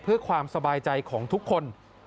เพื่อความสบายใจของทุกคน